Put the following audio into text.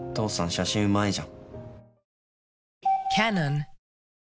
写真うまいじゃん。